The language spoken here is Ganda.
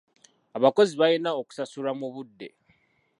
Abakozi balina okusasulwa mu budde.